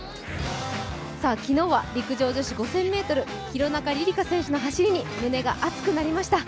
昨日は陸上女子５０００ｍ、廣中璃梨佳選手の走りに胸が熱くなりました。